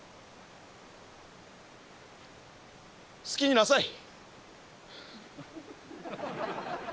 好きになさい。